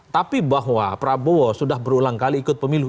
tapi bahwa prabowo sudah berulang kali ikut pemilu